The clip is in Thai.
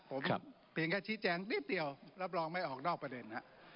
ผมเพียงแค่ชี้แจงนิดเดียวรับรองไม่ออกนอกประเด็น